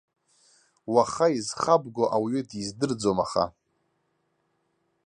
Уаха изхабго уаҩы диздырӡом, аха.